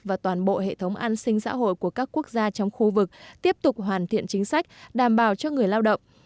và toàn bộ hệ thống an sinh xã hội của các quốc gia trong khu vực tiếp tục hoàn thiện chính sách đảm bảo cho người lao động